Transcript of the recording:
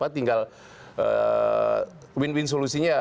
tinggal win win solusinya